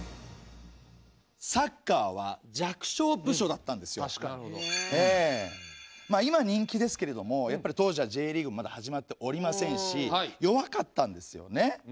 ただ当時はですねこちら今人気ですけれどもやっぱり当時はＪリーグまだ始まっておりませんし弱かったんですよね。